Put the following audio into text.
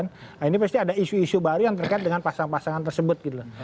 nah ini pasti ada isu isu baru yang terkait dengan pasangan pasangan tersebut gitu loh